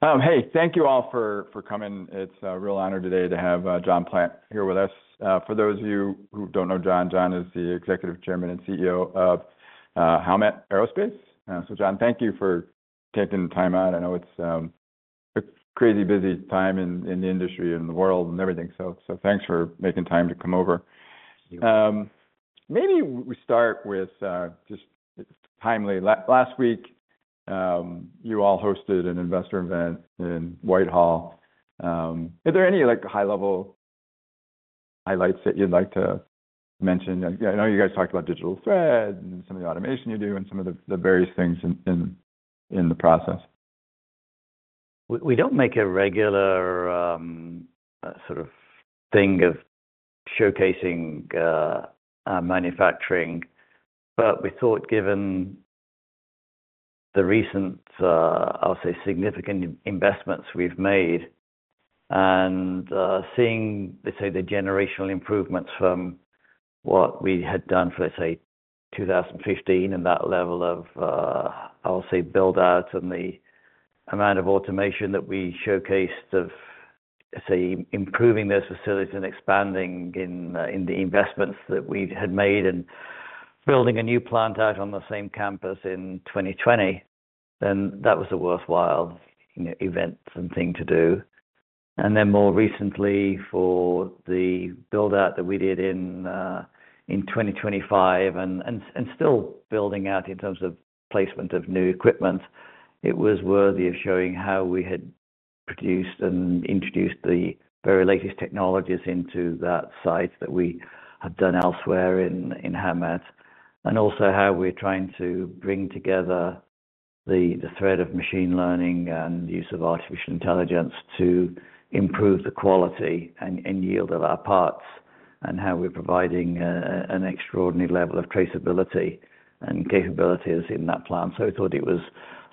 Hey, thank you all for coming. It's a real honor today to have John Plant here with us. For those of you who don't know John is the Executive Chairman and CEO of Howmet Aerospace. John, thank you for taking the time out. I know it's a crazy busy time in the industry and the world and everything. Thanks for making time to come over. Thank you. Maybe we start with just timely. Last week, you all hosted an investor event in Whitehall. Are there any, like, high-level highlights that you'd like to mention? I know you guys talked about digital thread and some of the automation you do and some of the various things in the process. We don't make a regular sort of thing of showcasing our manufacturing. We thought given the recent, I'll say, significant investments we've made and seeing, let's say, the generational improvements from what we had done for, let's say, 2015 and that level of, I'll say, build-out and the amount of automation that we showcased of, say, improving this facility and expanding in the investments that we had made in building a new plant out on the same campus in 2020, then that was a worthwhile, you know, event and thing to do. More recently, for the build-out that we did in 2025 and still building out in terms of placement of new equipment, it was worthy of showing how we had produced and introduced the very latest technologies into that site that we had done elsewhere in Howmet, also how we're trying to bring together the thread of machine learning and use of artificial intelligence to improve the quality and yield of our parts, and how we're providing an extraordinary level of traceability and capabilities in that plant. I thought it was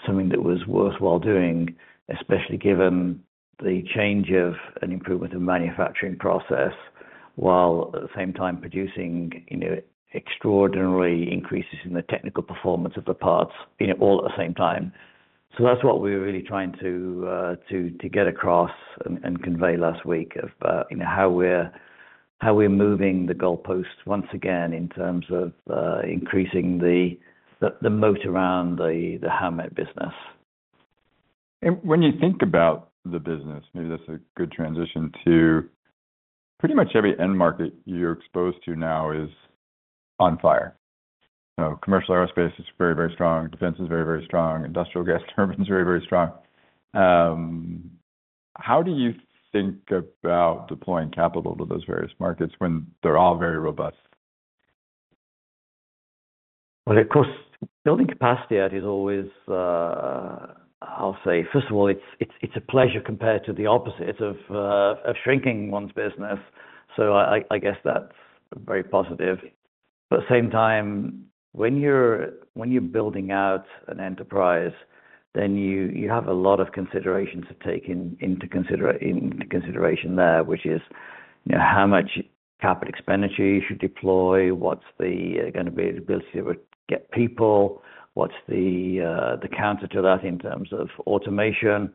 something that was worthwhile doing, especially given the change and an improvement in manufacturing process, while at the same time producing, you know, extraordinary increases in the technical performance of the parts, you know, all at the same time. That's what we're really trying to get across and convey last week of, you know, how we're moving the goalposts once again in terms of increasing the moat around the Howmet business. When you think about the business, maybe that's a good transition to pretty much every end market you're exposed to now is on fire. You know, commercial aerospace is very, very strong. Defense is very, very strong. Industrial gas turbine is very, very strong. How do you think about deploying capital to those various markets when they're all very robust? Well, of course, building capacity. It is always, I'll say, first of all, it's a pleasure compared to the opposite of shrinking one's business. I guess that's very positive. At the same time, when you're building out an enterprise, you have a lot of considerations to take into consideration there, which is, you know, how much capital expenditure you should deploy, what's gonna be the ability to get people, what's the counter to that in terms of automation.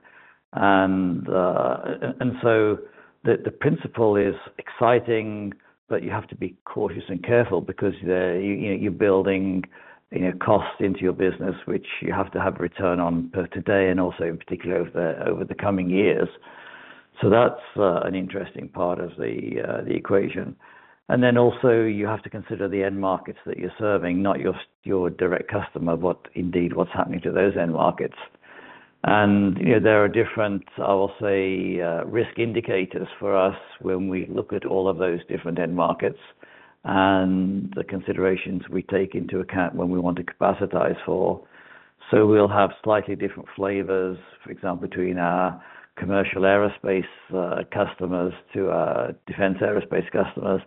The principle is exciting, but you have to be cautious and careful because you're building, you know, costs into your business, which you have to have return on per today and also in particular over the coming years. That's an interesting part of the equation. Then also you have to consider the end markets that you're serving, not your direct customer, what's happening to those end markets. You know, there are different, I will say, risk indicators for us when we look at all of those different end markets and the considerations we take into account when we want to capacitize for. We'll have slightly different flavors, for example, between our commercial aerospace customers to our defense aerospace customers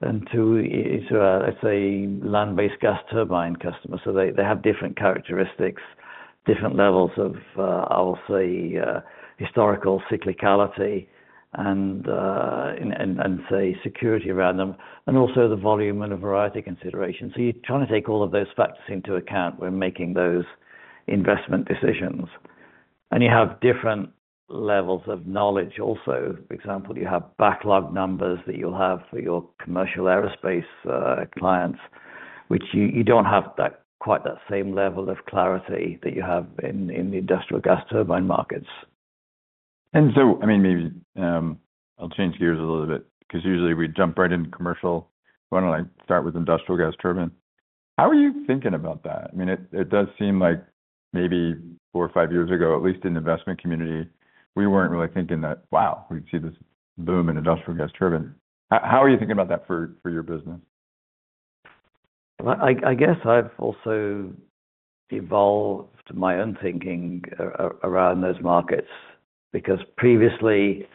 and to a, let's say, land-based gas turbine customers. They have different characteristics, different levels of, I'll say, historical cyclicality and say security around them, and also the volume and a variety consideration. You're trying to take all of those factors into account when making those investment decisions. You have different levels of knowledge also. For example, you have backlog numbers that you'll have for your commercial aerospace clients, which you don't have that, quite that same level of clarity that you have in the industrial gas turbine markets. I mean, maybe, I'll change gears a little bit because usually we jump right into commercial. Why don't I start with industrial gas turbine? How are you thinking about that? I mean, it does seem like maybe four or five years ago, at least in the investment community, we weren't really thinking that, wow, we'd see this boom in industrial gas turbine. How are you thinking about that for your business? Well, I guess I've also evolved my own thinking around those markets because previously,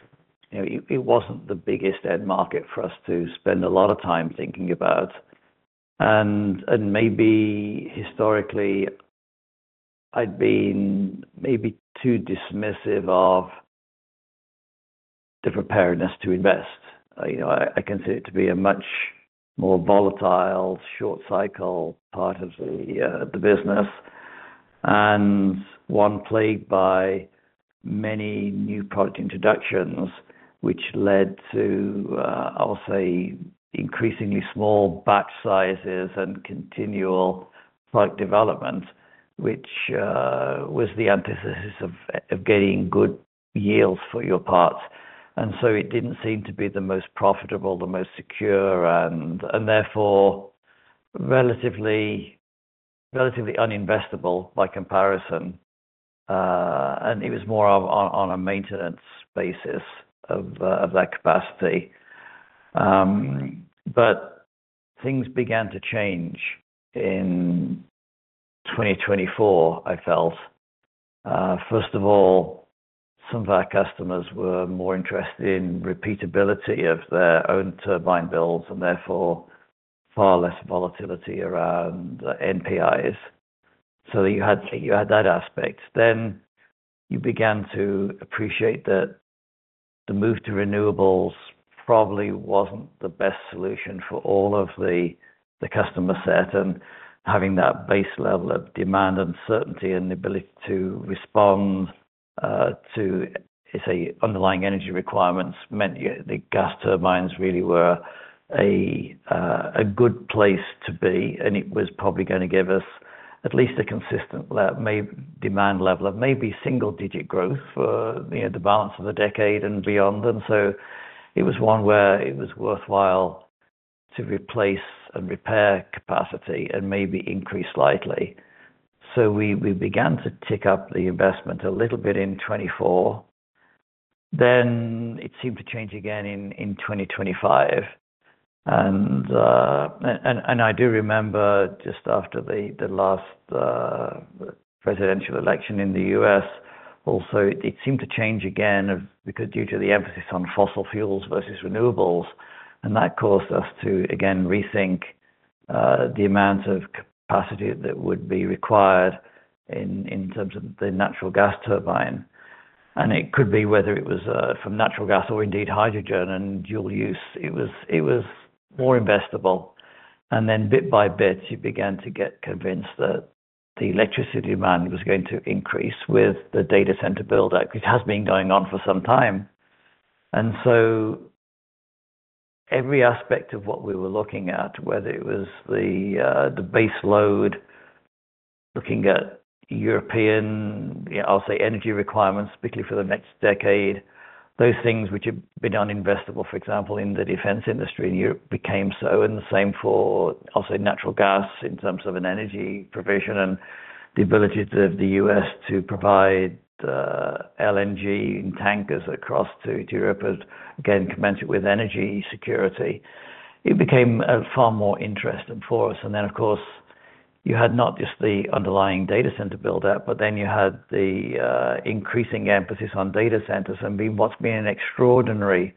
you know, it wasn't the biggest end market for us to spend a lot of time thinking about. Maybe historically, I'd been maybe too dismissive of the preparedness to invest. You know, I consider it to be a much more volatile short cycle part of the business, and one plagued by many new product introductions which led to, I'll say, increasingly small batch sizes and continual product development, which was the antithesis of getting good yields for your parts. It didn't seem to be the most profitable, the most secure and therefore relatively uninvestable by comparison. It was more on a maintenance basis of that capacity. Things began to change in 2024, I felt. First of all, some of our customers were more interested in repeatability of their own turbine builds, and therefore far less volatility around NPIs. You had that aspect. You began to appreciate that the move to renewables probably wasn't the best solution for all of the customer set, and having that base level of demand and certainty and the ability to respond to, say, underlying energy requirements meant the gas turbines really were a good place to be. It was probably gonna give us at least a consistent demand level of maybe single-digit growth for, you know, the balance of the decade and beyond. It was one where it was worthwhile to replace and repair capacity and maybe increase slightly. We began to tick up the investment a little bit in 2024. It seemed to change again in 2025. I do remember just after the last presidential election in the U.S. also, it seemed to change again because due to the emphasis on fossil fuels versus renewables, and that caused us to again rethink the amount of capacity that would be required in terms of the natural gas turbine. It could be whether it was from natural gas or indeed hydrogen and dual use. It was more investable. Bit by bit, you began to get convinced that the electricity demand was going to increase with the data center build out. It has been going on for some time. Every aspect of what we were looking at, whether it was the base load, looking at European, you know, I'll say energy requirements, particularly for the next decade, those things which had been uninvestable, for example, in the defense industry in Europe became so. The same for also natural gas in terms of an energy provision and the ability to the U.S. to provide LNG tankers across to Europe has again commenced with energy security. It became far more interesting for us. Then of course, you had not just the underlying data center build out, but then you had the increasing emphasis on data centers and being what's been an extraordinary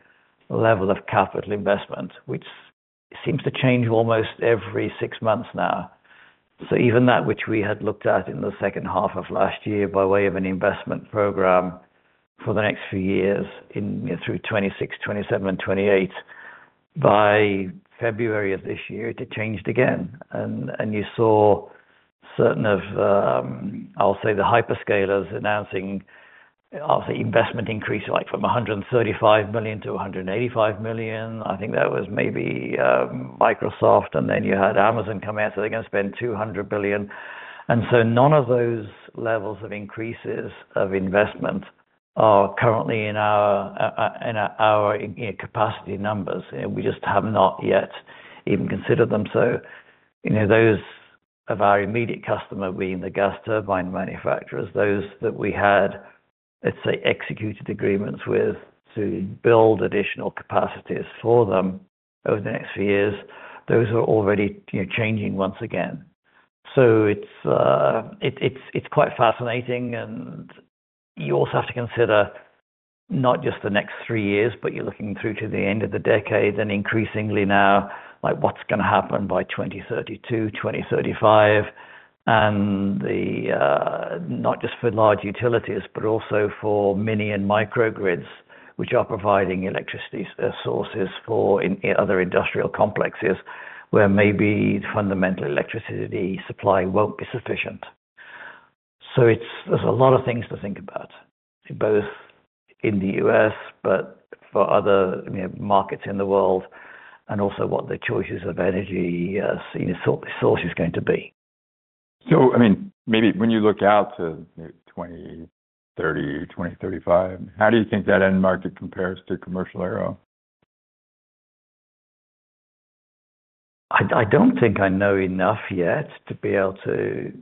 level of capital investment, which seems to change almost every six months now. Even that which we had looked at in the second half of last year by way of an investment program for the next few years in, you know, through 2026, 2027 and 2028, by February of this year, it had changed again. You saw certain of, I'll say the hyperscalers announcing, I'll say investment increase, like from $135 million to $185 million. I think that was maybe Microsoft. Then you had Amazon come out, so they're gonna spend $200 billion. None of those levels of increases of investment are currently in our capacity numbers. We just have not yet even considered them. You know, those of our immediate customer, being the gas turbine manufacturers, those that we had, let's say, executed agreements with to build additional capacities for them over the next few years, those are already, you know, changing once again. It's quite fascinating, and you also have to consider not just the next three years, but you're looking through to the end of the decade and increasingly now, like what's gonna happen by 2032, 2035, and not just for large utilities, but also for mini and micro grids, which are providing electricity sources for other industrial complexes where maybe the fundamental electricity supply won't be sufficient. There's a lot of things to think about, both in the U.S. but for other, you know, markets in the world and also what the choices of energy source is going to be. I mean, maybe when you look out to 2030, 2035, how do you think that end market compares to commercial aero? I don't think I know enough yet to be able to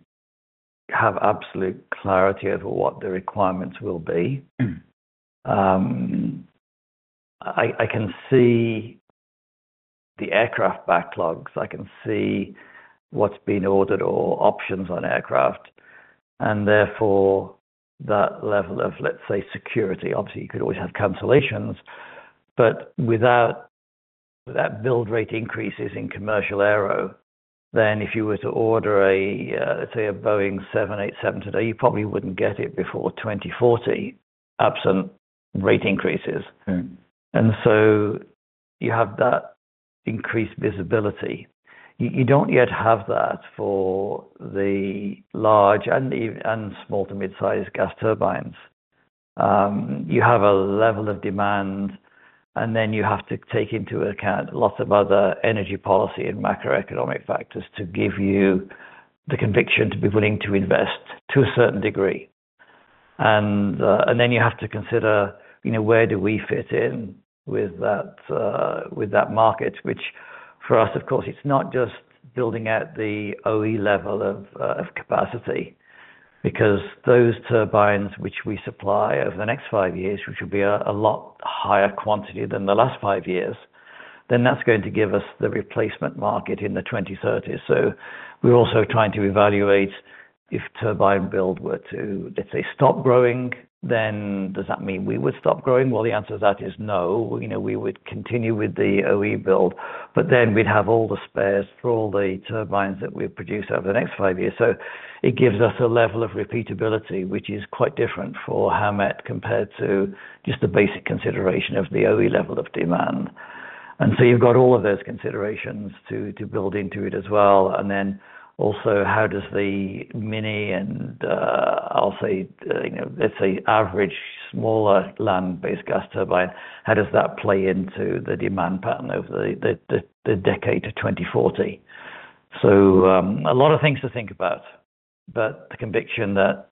have absolute clarity over what the requirements will be. I can see the aircraft backlogs. I can see what's been ordered or options on aircraft, and therefore that level of, let's say, security. Obviously, you could always have cancellations, but without that build rate increases in commercial aero. If you were to order a, let's say, a Boeing 787 today, you probably wouldn't get it before 2040, absent rate increases. Mm-hmm. You have that increased visibility. You don't yet have that for the large and small to mid-sized gas turbines. You have a level of demand, and then you have to take into account lots of other energy policy and macroeconomic factors to give you the conviction to be willing to invest to a certain degree. You have to consider, you know, where we fit in with that market, which for us, of course, it's not just building out the OE level of capacity, because those turbines which we supply over the next five years, which will be a lot higher quantity than the last five years, then that's going to give us the replacement market in the 2030s. We're also trying to evaluate if turbine build were to, let's say, stop growing, then does that mean we would stop growing? Well, the answer to that is no. You know, we would continue with the OE build, but then we'd have all the spares for all the turbines that we've produced over the next five years. It gives us a level of repeatability, which is quite different for Howmet compared to just the basic consideration of the OE level of demand. You've got all of those considerations to build into it as well. How does the mini and, I'll say, you know, let's say average smaller land-based gas turbine play into the demand pattern over the decade to 2040? A lot of things to think about, but the conviction that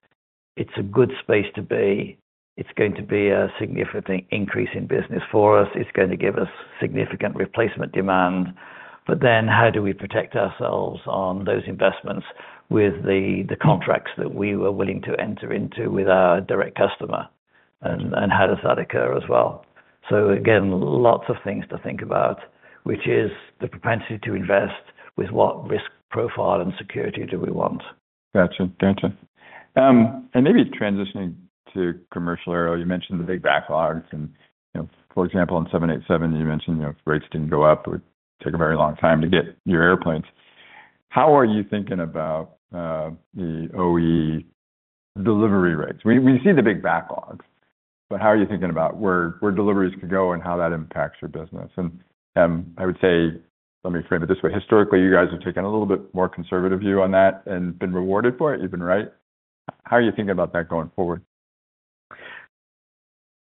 it's a good space to be. It's going to be a significant increase in business for us. It's going to give us significant replacement demand. How do we protect ourselves on those investments with the contracts that we were willing to enter into with our direct customer, and how does that occur as well? Again, lots of things to think about, which is the propensity to invest with what risk profile and security do we want. Gotcha. Maybe transitioning to commercial aero, you mentioned the big backlogs and, you know, for example, on 787, you mentioned, you know, if rates didn't go up, it would take a very long time to get your airplanes. How are you thinking about the OE delivery rates? We see the big backlogs, but how are you thinking about where deliveries could go and how that impacts your business? I would say, let me frame it this way. Historically, you guys have taken a little bit more conservative view on that and been rewarded for it. You've been right. How are you thinking about that going forward?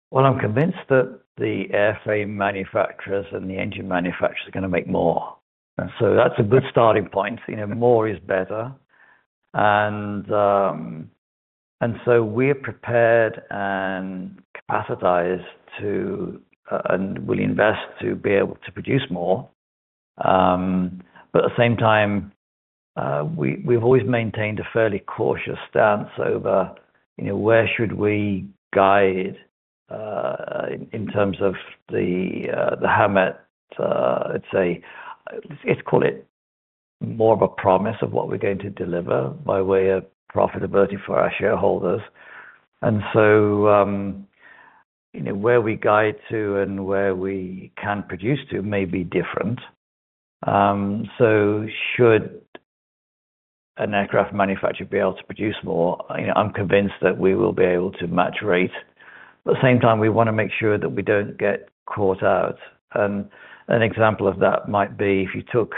Well, I'm convinced that the airframe manufacturers and the engine manufacturers are gonna make more. That's a good starting point. You know, more is better. We're prepared and capacitized, and will invest to be able to produce more. At the same time, we've always maintained a fairly cautious stance over, you know, where should we guide in terms of the Howmet, let's say, let's call it more of a promise of what we're going to deliver by way of profitability for our shareholders. You know, where we guide to and where we can produce to may be different. Should an aircraft manufacturer be able to produce more, you know, I'm convinced that we will be able to match rate. At the same time, we wanna make sure that we don't get caught out. An example of that might be if you took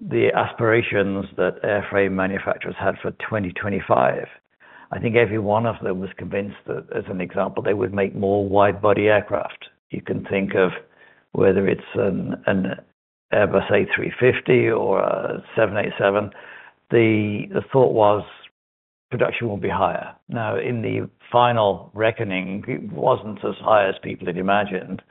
the aspirations that airframe manufacturers had for 2025. I think every one of them was convinced that, as an example, they would make more wide-body aircraft. You can think of whether it's an Airbus, say, A350 or a 787. The thought was production will be higher. Now, in the final reckoning, it wasn't as high as people had imagined,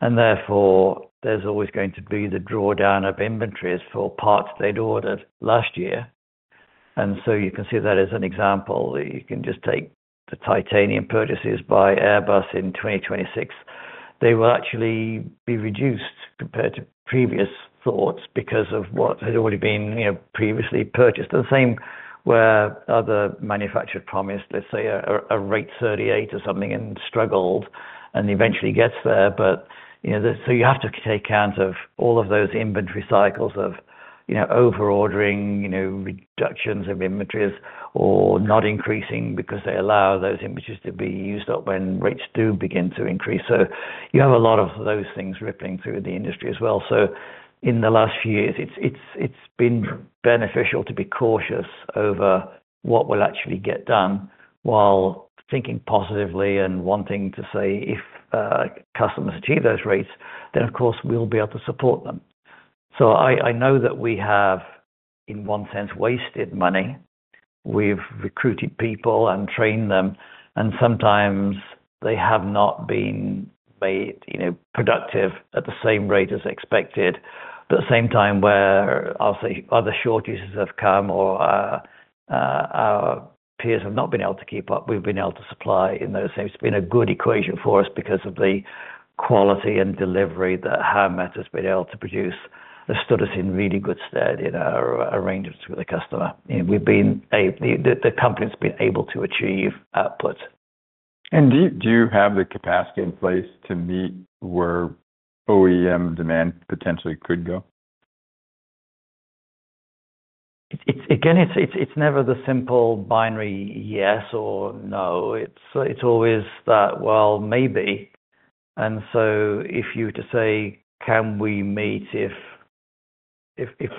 and therefore, there's always going to be the drawdown of inventories for parts they'd ordered last year. You can see that as an example, you can just take the titanium purchases by Airbus in 2026. They will actually be reduced compared to previous thoughts because of what had already been, you know, previously purchased. The same where other manufacturers promised, let's say a rate 38 or something and struggled, and eventually gets there. You know, so you have to take account of all of those inventory cycles of, you know, over-ordering, you know, reductions of inventories or not increasing because they allow those inventories to be used up when rates do begin to increase. You have a lot of those things rippling through the industry as well. In the last few years, it's been beneficial to be cautious over what will actually get done while thinking positively and wanting to say, if customers achieve those rates, then of course, we'll be able to support them. I know that we have, in one sense, wasted money. We've recruited people and trained them, and sometimes they have not been made, you know, productive at the same rate as expected. At the same time, where I'll say other shortages have come or our peers have not been able to keep up, we've been able to supply in those things. It's been a good equation for us because of the quality and delivery that Howmet has been able to produce has stood us in really good stead in our arrangements with the customer. You know, the company's been able to achieve output. Do you have the capacity in place to meet where OEM demand potentially could go? Again, it's never the simple binary yes or no. It's always that, well, maybe. If you were to say, can we meet if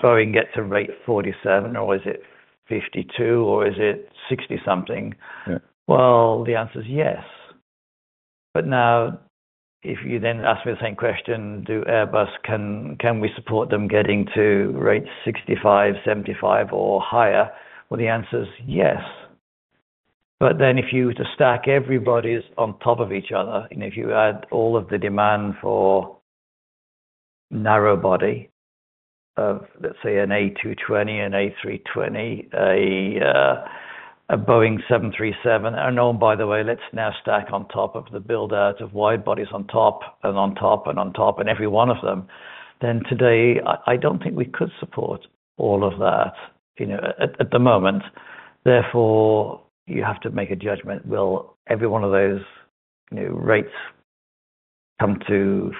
Boeing gets a rate 47 or is it 52 or is it 60-something? Yeah. Well, the answer is yes. Now, if you then ask me the same question, can we support them getting to rate 65, 75 or higher? Well, the answer is yes. Then if you were to stack everybody's on top of each other, and if you add all of the demand for narrow body of, let's say, an A220, an A320, a Boeing 737. Oh, by the way, let's now stack on top of the build out of wide bodies on top and on top and on top, and every one of them, then today I don't think we could support all of that, you know, at the moment. Therefore, you have to make a judgment. Will every one of those, you know, rates come to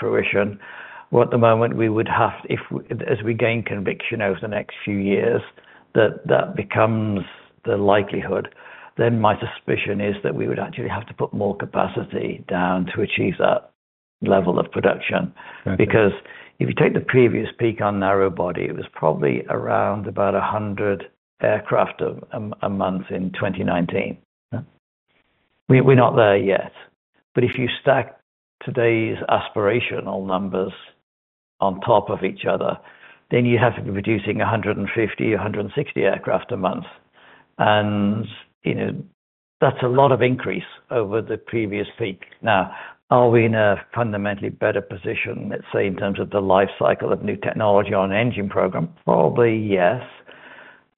fruition? Well, at the moment, if, as we gain conviction over the next few years that that becomes the likelihood, then my suspicion is that we would actually have to put more capacity down to achieve that level of production. Okay. Because if you take the previous peak on narrow-body, it was probably around about 100 aircraft a month in 2019. Yeah. We're not there yet. If you stack today's aspirational numbers on top of each other, then you have to be producing 150, 160 aircraft a month. You know, that's a lot of increase over the previous peak. Now, are we in a fundamentally better position, let's say, in terms of the life cycle of new technology on an engine program? Probably, yes.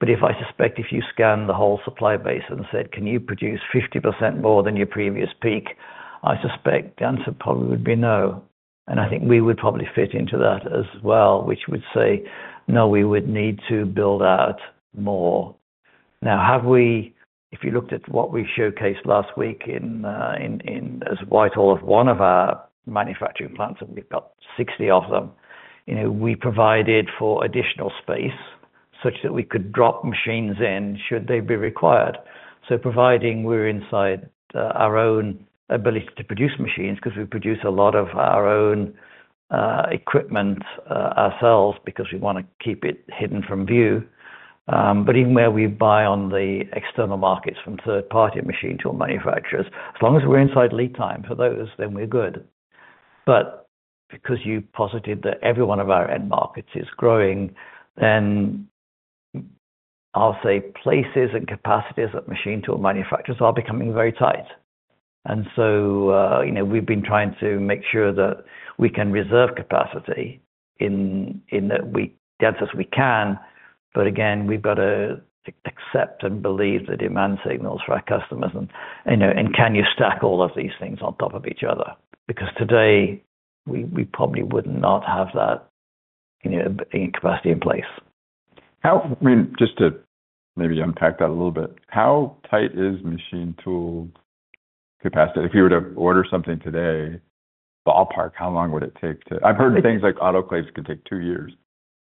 I suspect if you scan the whole supply base and say, "Can you produce 50% more than your previous peak?" I suspect the answer probably would be no. I think we would probably fit into that as well, which would say, no, we would need to build out more. If you looked at what we showcased last week in Whitehall, one of our manufacturing plants, and we've got 60 of them, you know, we provided for additional space such that we could drop machines in should they be required. Providing we're inside our own ability to produce machines, 'cause we produce a lot of our own equipment ourselves because we wanna keep it hidden from view. Even where we buy on the external markets from third-party machine tool manufacturers, as long as we're inside lead time for those, then we're good. Because you posited that every one of our end markets is growing, then I'll say places and capacities at machine tool manufacturers are becoming very tight. You know, we've been trying to make sure that we can reserve capacity in that we dense as we can. Again, we've got to accept and believe the demand signals for our customers, you know, and can you stack all of these things on top of each other? Because today we probably would not have that, you know, capacity in place. I mean, just to maybe unpack that a little bit. How tight is machine tool capacity? If you were to order something today, ballpark, how long would it take? I've heard things like autoclaves could take two years.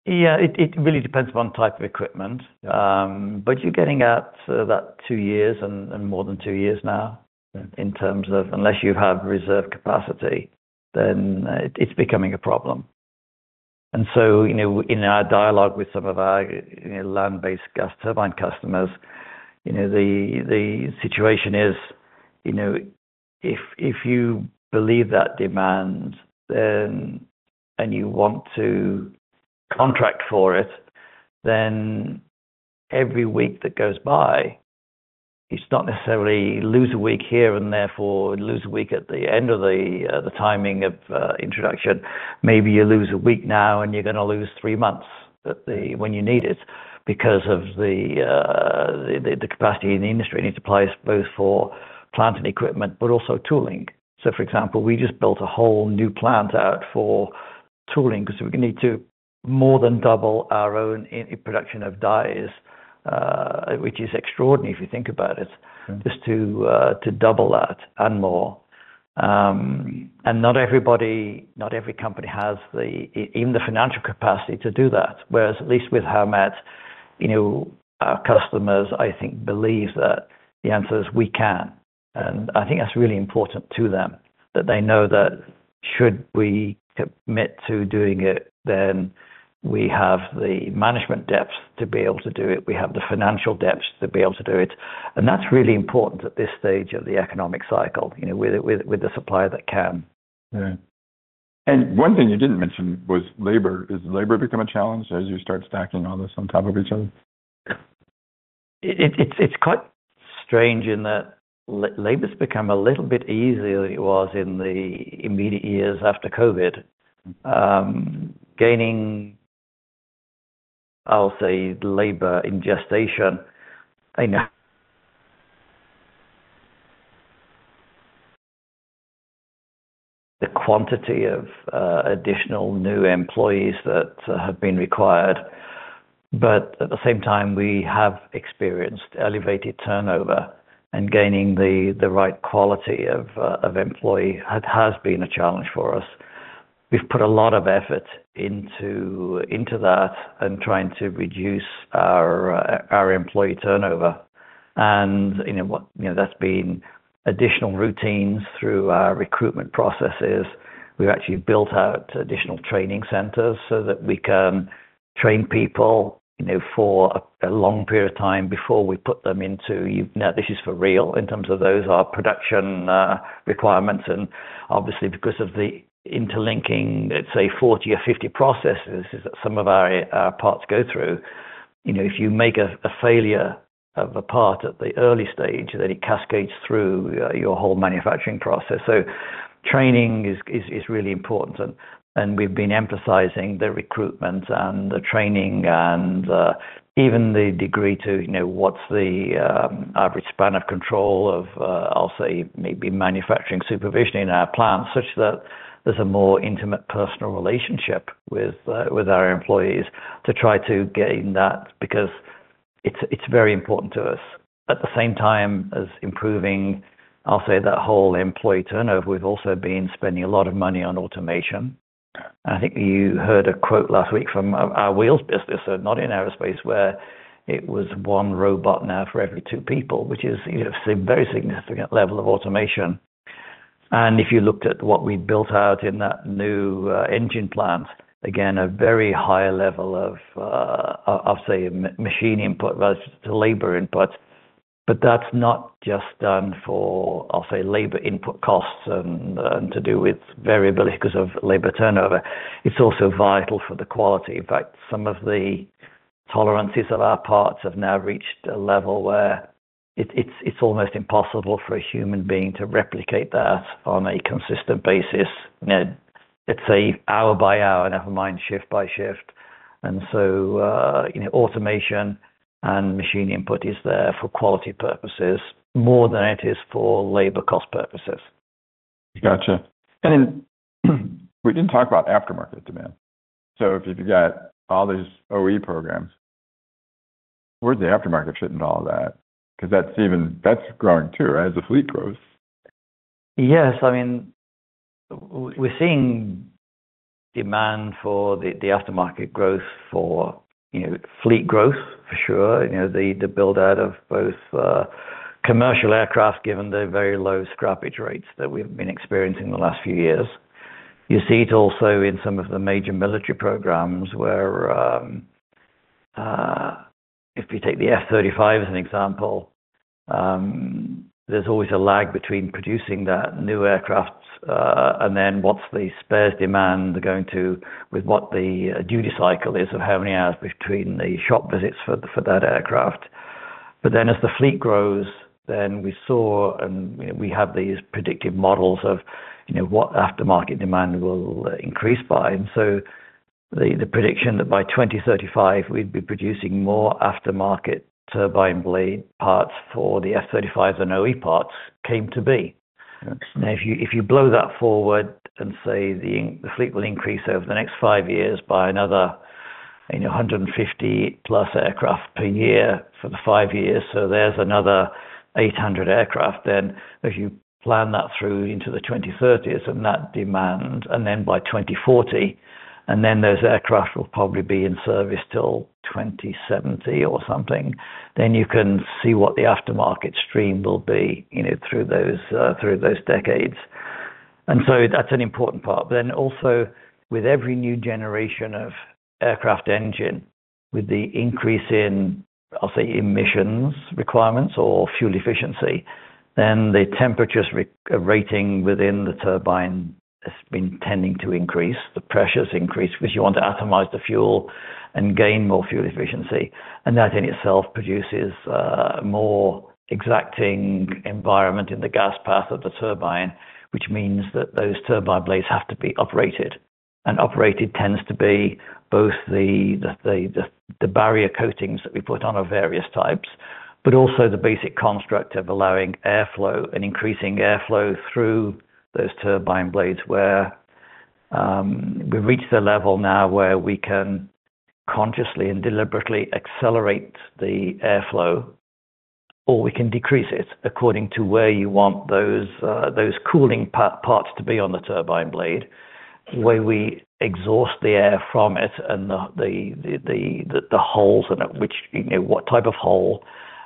Yeah. It really depends upon type of equipment. You're getting out to that two years and more than two years now- Yeah -in terms of unless you have reserve capacity, then it's becoming a problem. You know, in our dialogue with some of our, you know, land-based gas turbine customers, you know, the situation is, you know, if you believe that demand, then and you want to contract for it, then every week that goes by, it's not necessarily lose a week here and therefore lose a week at the end of the timing of introduction. Maybe you lose a week now, and you're gonna lose three months when you need it because of the capacity in the industry. It needs to apply both for plant and equipment, but also tooling. For example, we just built a whole new plant out for tooling 'cause we're gonna need to more than double our own in production of dies, which is extraordinary if you think about it- Yeah -just to double that and more. Not everybody, not every company has even the financial capacity to do that. Whereas at least with Howmet, you know, our customers, I think, believe that the answer is we can. I think that's really important to them, that they know that should we commit to doing it, then we have the management depth to be able to do it. We have the financial depth to be able to do it, and that's really important at this stage of the economic cycle, you know, with the supplier that can. Yeah. One thing you didn't mention was labor. Has labor become a challenge as you start stacking all this on top of each other? It's quite strange in that labor's become a little bit easier than it was in the immediate years after COVID. Gaining, I'll say, labor in this nation, I know the quantity of additional new employees that have been required. But at the same time, we have experienced elevated turnover and gaining the right quality of employee has been a challenge for us. We've put a lot of effort into that and trying to reduce our employee turnover. You know, that's been additional routines through our recruitment processes. We've actually built out additional training centers so that we can train people, you know, for a long period of time before we put them into, you know, this is for real in terms of those production requirements. Obviously because of the interlinking, let's say 40 or 50 processes that some of our parts go through, you know, if you make a failure of a part at the early stage, then it cascades through your whole manufacturing process. Training is really important. We've been emphasizing the recruitment and the training and even the degree to, you know, what's the average span of control of, I'll say maybe manufacturing supervision in our plants, such that there's a more intimate personal relationship with our employees to try to gain that because it's very important to us. At the same time as improving, I'll say that whole employee turnover, we've also been spending a lot of money on automation. I think you heard a quote last week from our wheels business, so not in aerospace, where it was one robot now for every two people, which is, you know, very significant level of automation. If you looked at what we built out in that new engine plant, again, a very high level of, I'll say machine input versus labor input. That's not just done for, I'll say, labor input costs and to do with variability 'cause of labor turnover. It's also vital for the quality. In fact, some of the tolerances of our parts have now reached a level where it's almost impossible for a human being to replicate that on a consistent basis. You know, let's say hour by hour, never mind shift by shift. You know, automation and machine input is there for quality purposes more than it is for labor cost purposes. Gotcha. We didn't talk about aftermarket demand. If you've got all these OE programs, where's the aftermarket fit in all that? 'Cause that's growing too as the fleet grows. Yes. I mean, we're seeing demand for the aftermarket growth for, you know, fleet growth for sure. You know, the build-out of both commercial aircraft, given the very low scrappage rates that we've been experiencing the last few years. You see it also in some of the major military programs where if you take the F-35 as an example, there's always a lag between producing that new aircraft and then what's the spares demand going to with what the duty cycle is of how many hours between the shop visits for that aircraft. As the fleet grows, we have these predictive models of, you know, what aftermarket demand will increase by. The prediction that by 2035 we'd be producing more aftermarket turbine blade parts for the F-35 than OE parts came to be. Yes. If you blow that forward and say the fleet will increase over the next five years by another, you know, 150+ aircraft per year for the five years, so there's another 800 aircraft. If you plan that through into the 2030s and that demand, and then by 2040, and then those aircraft will probably be in service till 2070 or something, then you can see what the aftermarket stream will be, you know, through those decades. That's an important part. Then also with every new generation of aircraft engine, with the increase in, I'll say, emissions requirements or fuel efficiency, then the temperatures re-rating within the turbine has been tending to increase. The pressures increase because you want to atomize the fuel and gain more fuel efficiency. That in itself produces a more exacting environment in the gas path of the turbine, which means that those turbine blades have to be uprated. Uprated tends to be both the barrier coatings that we put on of various types, but also the basic construct of allowing airflow and increasing airflow through those turbine blades where we've reached a level now where we can consciously and deliberately accelerate the airflow, or we can decrease it according to where you want those cooling parts to be on the turbine blade. Sure. The way we exhaust the air from it and the holes in it, which, you know, what type of hole,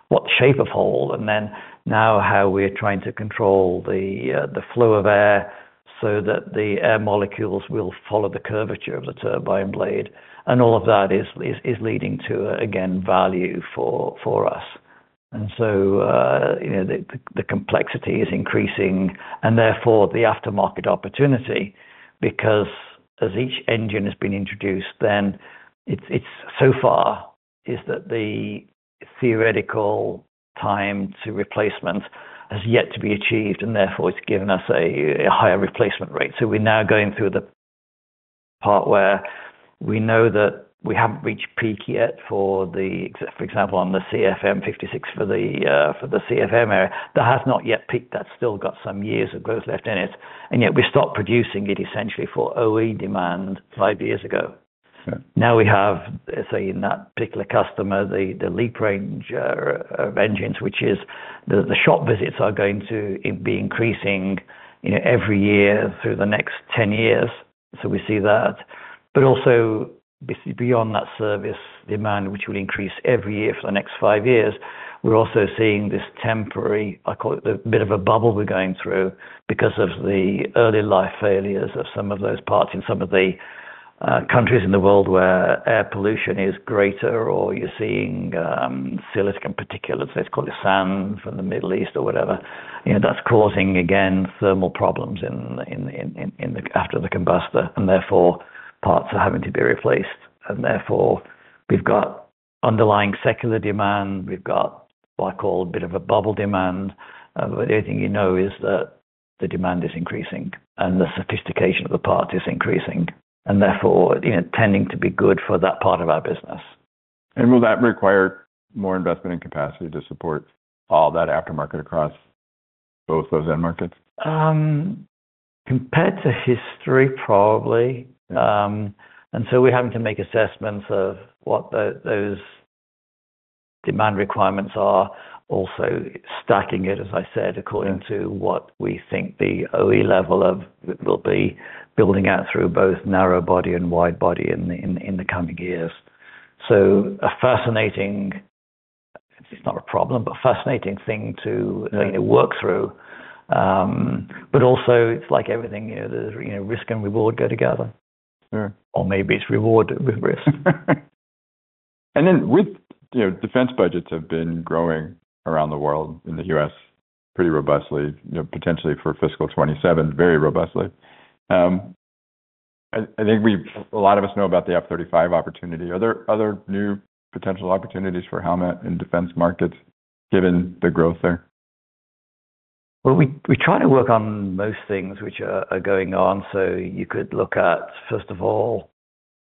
what shape of hole, and then now how we're trying to control the flow of air so that the air molecules will follow the curvature of the turbine blade. All of that is leading to, again, value for us. You know, the complexity is increasing and therefore the aftermarket opportunity because as each engine has been introduced, then it's so far that the theoretical time to replacement has yet to be achieved and therefore it's given us a higher replacement rate. We're now going through the part where we know that we haven't reached peak yet for the, for example, on the CFM56 for the CFM area, that has not yet peaked. That's still got some years of growth left in it, and yet we stopped producing it essentially for OE demand five years ago. Sure. Now we have, let's say in that particular customer, the LEAP range of engines, which is the shop visits are going to be increasing, you know, every year through the next ten years. We see that, but also beyond that service demand, which will increase every year for the next five years. We're also seeing this temporary, I call it a bit of a bubble we're going through because of the early life failures of some of those parts in some of the countries in the world where air pollution is greater, or you're seeing silica in particular, so it's called the sand from the Middle East or whatever. You know, that's causing, again, thermal problems in the after the combustor, and therefore parts are having to be replaced. Therefore, we've got underlying secular demand. We've got what I call a bit of a bubble demand. Anything you know is that the demand is increasing and the sophistication of the part is increasing, and therefore, you know, tending to be good for that part of our business. Will that require more investment in capacity to support all that aftermarket across both those end markets? Compared to history, probably. We're having to make assessments of what those demand requirements are also stacking it, as I said, according to what we think the OE level will be building out through both narrow body and wide body in the coming years. A fascinating, it's not a problem, but fascinating thing to. Yeah you know, work through. Also it's like everything, you know, there's, you know, risk and reward go together. Sure. Maybe it's reward with risk. With, you know, defense budgets have been growing around the world, in the U.S. pretty robustly, you know, potentially for fiscal 2027, very robustly. I think a lot of us know about the F-35 opportunity. Are there other new potential opportunities for Howmet in defense markets given the growth there? Well, we try to work on most things which are going on. You could look at, first of all,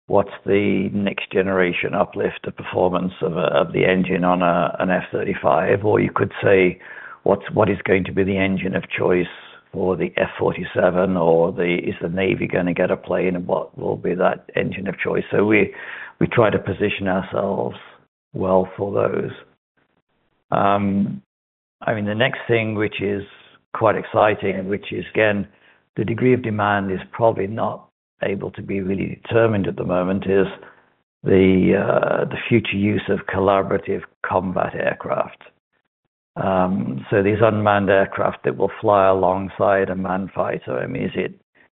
what's the next generation uplift of performance of the engine on an F-35? Or you could say, what is going to be the engine of choice for the F-47 or is the Navy gonna get a plane and what will be that engine of choice? We try to position ourselves well for those. I mean, the next thing which is quite exciting and which is again, the degree of demand is probably not able to be really determined at the moment, is the future use of collaborative combat aircraft, so these unmanned aircraft that will fly alongside a manned fighter. I mean, is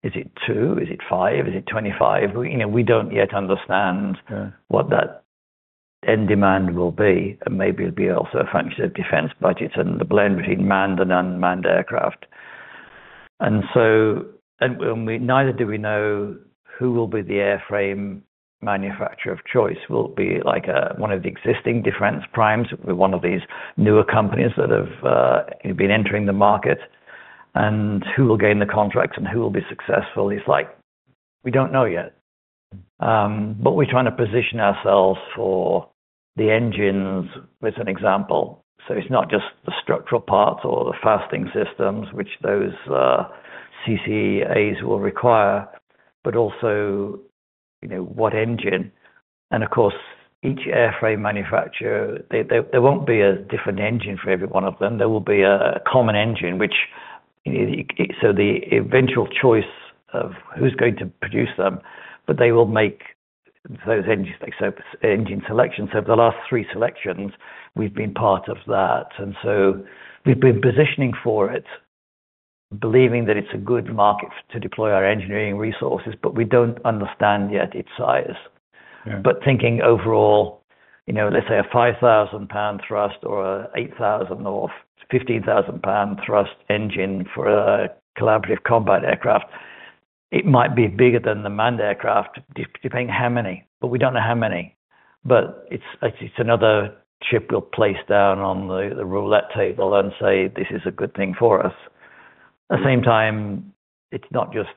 it 2? Is it 5? Is it 25? You know, we don't yet understand. Sure What that end demand will be, and maybe it'll be also a function of defense budgets and the blend between manned and unmanned aircraft. Neither do we know who will be the airframe manufacturer of choice. Will it be like, one of the existing defense primes with one of these newer companies that have, you know, been entering the market? Who will gain the contracts and who will be successful? It's like, we don't know yet. We're trying to position ourselves for the engines with an example. It's not just the structural parts or the fastening systems which those CCAs will require, but also, you know, what engine. Of course, each airframe manufacturer, there won't be a different engine for every one of them. There will be a common engine which, you know, so the eventual choice of who's going to produce them, but they will make those engines, like, so engine selection. The last three selections, we've been part of that. We've been positioning for it, believing that it's a good market to deploy our engineering resources, but we don't understand yet its size. Yeah. Thinking overall, you know, let's say a 5,000-lb thrust or an 8,000- or 15,000-lb thrust engine for a collaborative combat aircraft, it might be bigger than the manned aircraft, depending how many, but we don't know how many. It's another chip we'll place down on the roulette table and say, "This is a good thing for us." At the same time, it's not just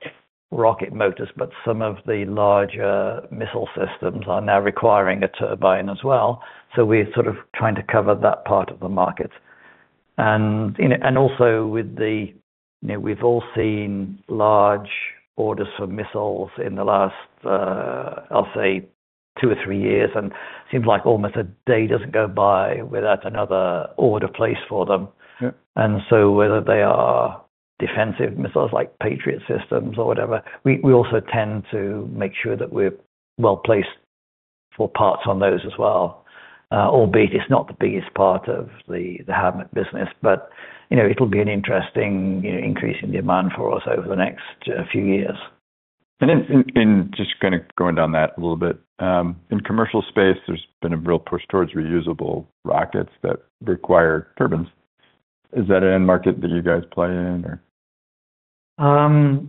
rocket motors, but some of the larger missile systems are now requiring a turbine as well. We're sort of trying to cover that part of the market. And also with the, you know, we've all seen large orders for missiles in the last, I'll say two or three years, and seems like almost a day doesn't go by without another order placed for them. Yeah. Whether they are defensive missiles like Patriot systems or whatever, we also tend to make sure that we're well-placed for parts on those as well. Albeit it's not the biggest part of the Howmet business, but you know, it'll be an interesting you know, increase in demand for us over the next few years. In just kind of going down that a little bit, in commercial space, there's been a real push towards reusable rockets that require turbines. Is that an end market that you guys play in or?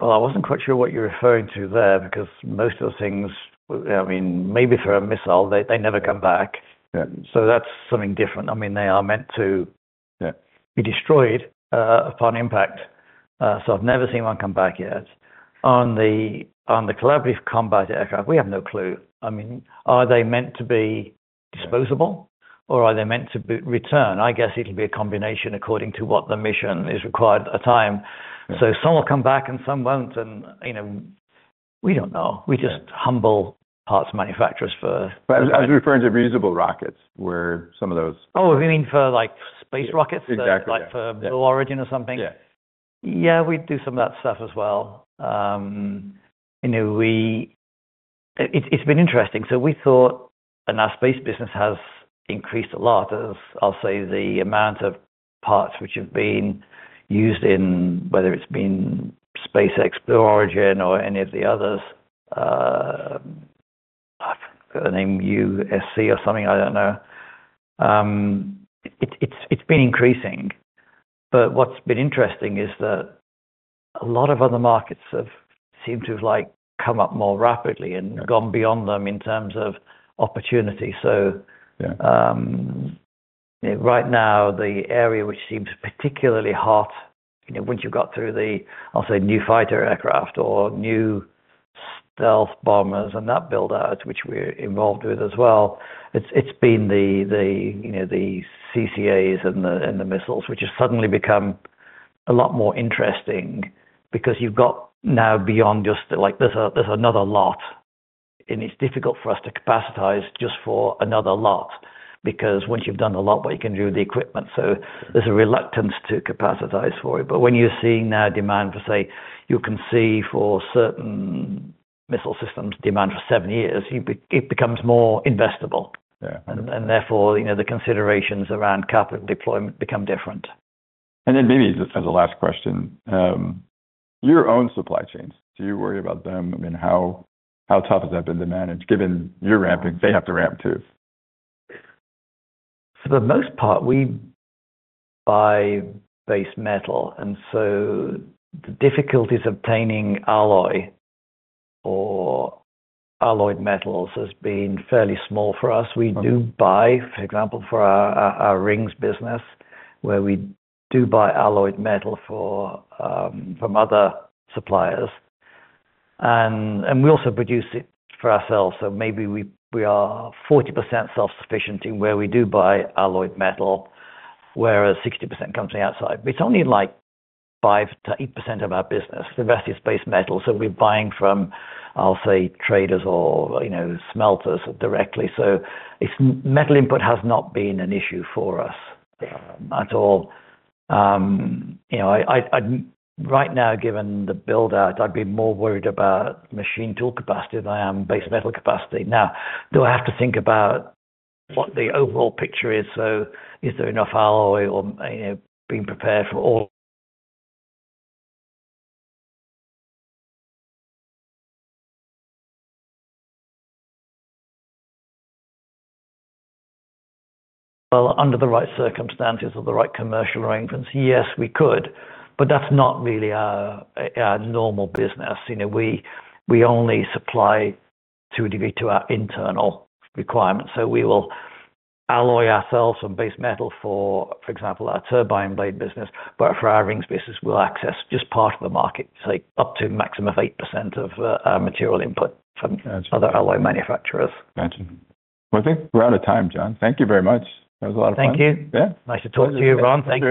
Well, I wasn't quite sure what you're referring to there because most of the things, I mean, maybe for a missile, they never come back. Yeah. That's something different. I mean, they are meant to be destroyed upon impact. I've never seen one come back yet. On the collaborative combat aircraft, we have no clue. I mean, are they meant to be disposable or are they meant to be returned? I guess it'll be a combination according to what the mission requires at the time. Some will come back and some won't, and, you know, we don't know. We're just humble parts manufacturers for- I was referring to reusable rockets, where some of those. Oh, you mean for like space rockets? Exactly. Like for Blue Origin or something? Yeah. Yeah, we do some of that stuff as well. You know, it's been interesting. Our space business has increased a lot as I'll say the amount of parts which have been used in whether it's been SpaceX, Blue Origin or any of the others, I forgot the name, ULA or something, I don't know. It's been increasing. What's been interesting is that a lot of other markets have seemed to have like come up more rapidly and gone beyond them in terms of opportunity. Yeah Right now the area which seems particularly hot, you know, once you've got through the, I'll say, new fighter aircraft or new stealth bombers and that build out, which we're involved with as well, it's been the, you know, the CCAs and the missiles, which has suddenly become a lot more interesting because you've got now beyond just like there's another lot, and it's difficult for us to capacitate just for another lot because once you've done a lot, well, you can do the equipment. There's a reluctance to capacitate for it. When you're seeing now demand for, say, you can see for certain missile systems demand for seven years, it becomes more investable. Yeah. Therefore, you know, the considerations around capital deployment become different. Maybe as a last question, your own supply chains, do you worry about them? I mean, how tough has that been to manage, given you're ramping, they have to ramp too? For the most part, we buy base metal, and so the difficulties obtaining alloy or alloyed metals has been fairly small for us. We do buy, for example, for our rings business, where we do buy alloyed metal for from other suppliers. We also produce it for ourselves, so maybe we are 40% self-sufficient in where we do buy alloyed metal, whereas 60% comes from the outside. It's only like 5%-8% of our business. The rest is base metal, so we're buying from, I'll say, traders or, you know, smelters directly. It's metal input has not been an issue for us at all. You know, I'd. Right now, given the build out, I'd be more worried about machine tool capacity than I am base metal capacity. Now, do I have to think about what the overall picture is? Is there enough alloy or, you know, being prepared for all? Well, under the right circumstances or the right commercial arrangements, yes, we could, but that's not really our normal business. You know, we only supply to a degree to our internal requirements. We will alloy ourselves some base metal for example, our turbine blade business, but for our rings business, we'll access just part of the market, say up to maximum of 8% of material input from- Got you. other alloy manufacturers. Got you. Well, I think we're out of time, John. Thank you very much. That was a lot of fun. Thank you. Yeah. Nice to talk to you, Ron. Thank you.